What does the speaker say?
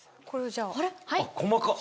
あっ細かっ！